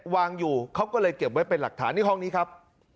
วางอยู่เขาก็เลยเก็บไว้เป็นหลักฐานนี่ห้องนี้ครับ